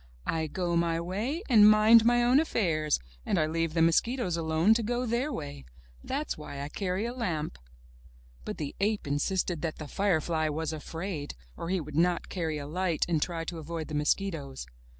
"I go my way and mind my own affairs, and I leave the mosquitoes alone to go their way. That's why I carry a lamp." But the ape insisted that the firefly was afraid, or he would not carry a light and try to avoid the mos quitoes.